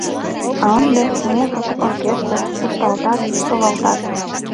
А ынде — музык, оркестр, кушталтат, совалтат.